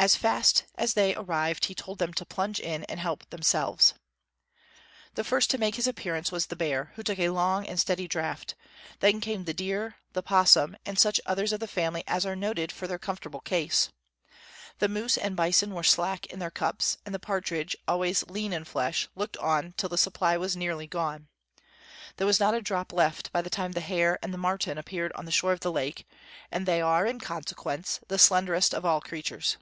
As fast as they arrived he told them to plunge in and help themselves. The first to make his appearance was the bear, who took a long and steady draught; then came the deer, the opossum, and such others of the family as are noted for their comfortable case. The moose and bison were slack in their cups, and the partridge, always lean in flesh, looked on till the supply was nearly gone. There was not a drop left by the time the hare and the martin appeared on the shore of the lake, and they are, in consequence, the slenderest of all creatures.